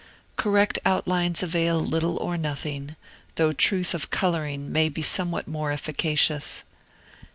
Correct outlines avail little or nothing, though truth of coloring may be somewhat more efficacious.